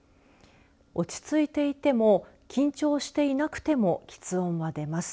落ち着いていても緊張していなくてもきつ音は出ます。